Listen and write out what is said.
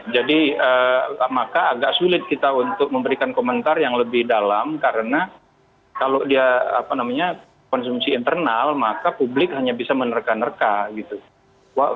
jadi maka agak sulit kita untuk memberikan komentar yang lebih dalam karena kalau dia konsumsi internal maka publik hanya bisa menerka nerka